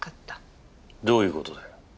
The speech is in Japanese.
どういう事だよ？